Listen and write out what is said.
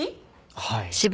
はい。